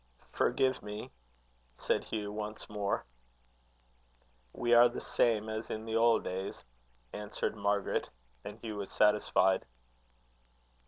"Forgive me," said Hugh, once more. "We are the same as in the old days," answered Margaret; and Hugh was satisfied.